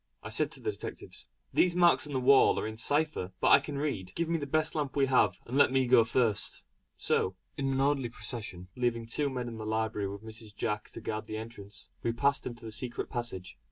I said to the detectives: "These marks on the wall are in a cipher which I can read. Give me the best lamp we have, and let me go first." So, in an orderly procession, leaving two men in the library with Mrs. Jack to guard the entrance, we passed into the secret passage.